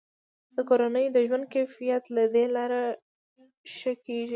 د کورنیو د ژوند کیفیت له دې لارې ښه کیږي.